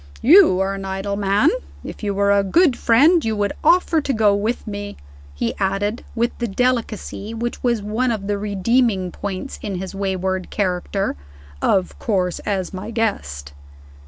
You are an idle man. If you were a good friend, you would offer to go with me." He added, with the delicacy which was one of the redeeming points in his wayward character. "Of course as my guest."